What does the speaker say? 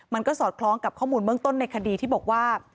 สอดคล้องกับข้อมูลเบื้องต้นในคดีที่บอกว่า